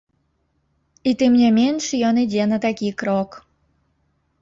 І тым не менш, ён ідзе на такі крок.